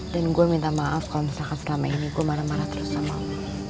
dan gua minta maaf kalo misalkan selama ini gua marah marah terus sama'u